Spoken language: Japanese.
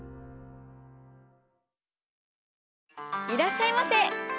いらっしゃいませ。